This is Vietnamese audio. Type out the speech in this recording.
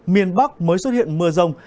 miền bắc mới xuất hiện mưa rông